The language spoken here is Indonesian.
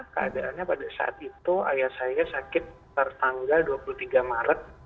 keadaannya pada saat itu ayah saya sakit tertanggal dua puluh tiga maret